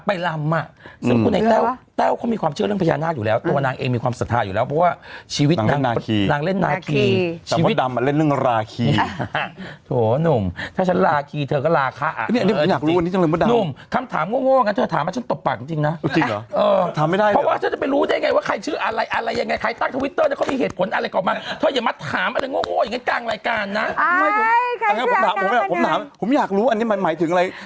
ผมอยากรู้อันนี้มันหมายถึงอะไร